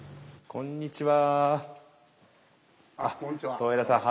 こんにちは。